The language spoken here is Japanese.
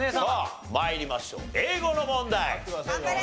英語の問題。